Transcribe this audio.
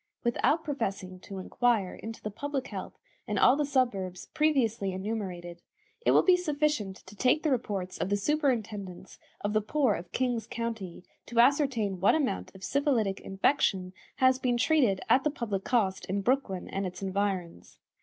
Without professing to inquire into the public health in all the suburbs previously enumerated, it will be sufficient to take the reports of the superintendents of the poor of King's County to ascertain what amount of syphilitic infection has been treated at the public cost in Brooklyn and its environs.